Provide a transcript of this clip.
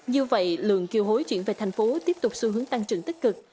như vậy lượng kiều hối chuyển về tp hcm tiếp tục xu hướng tăng trưởng tích cực